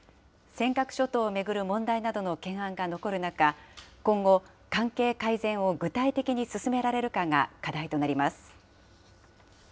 尖閣諸島を巡る問題などの懸案が残る中、今後、関係改善を具体的に進められるかが課題となります。